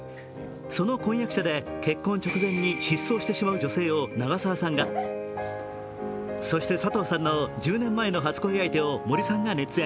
その婚約者で結婚直前に失踪してしまう女性を長澤さんが、そして佐藤さんの１０年前の初恋相手を森さんが熱演。